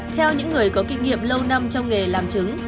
theo những người có kinh nghiệm lâu năm trong nghề làm trứng